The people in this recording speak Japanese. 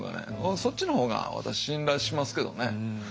そっちの方が私信頼しますけどね。